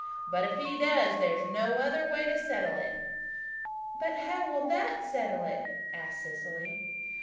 But if he does there's no other way to settle it." "But how will that settle it?" asked Cecily.